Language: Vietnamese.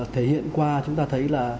thể hiện qua chúng ta thấy là